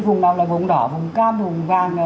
vùng nào là vùng đỏ vùng cam vùng vàng